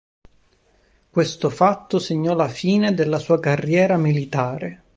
Questo fatto segnò la fine della sua carriera militare.